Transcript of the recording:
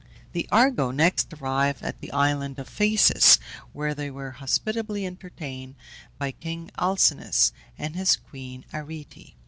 The Argo next arrived at the island of the Phæaces, where they were hospitably entertained by King Alcinous and his queen Arete.